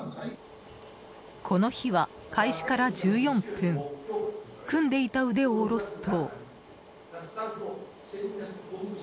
この日は、開始から１４分組んでいた腕を下ろすと。